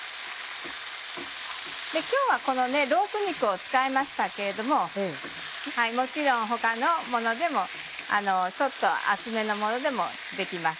今日はこのロース肉を使いましたけれどももちろん他のものでもちょっと厚めのものでもできます。